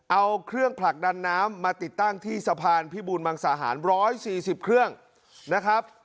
เอาเครื่องผลักดันน้ำมาติดตั้งที่สะพานพิบูรมังสาหาร๑๔๐เครื่องนะครับ